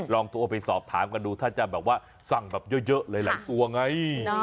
ลองโทรไปสอบถามกันดูถ้าจะแบบว่าสั่งแบบเยอะหลายตัวไง